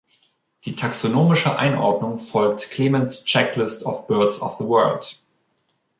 Die taxonomische Einordnung folgt „Clements Checklist of Birds of the World“.